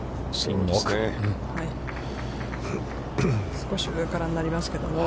少し上からになりますけれども。